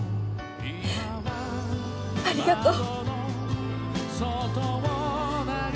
ありがとう。